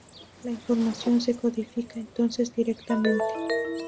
La información se codifica, entonces, directamente.